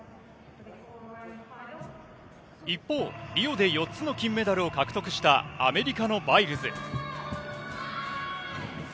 一方、リオで４つの金メダルを獲得したアメリカのバイルズ。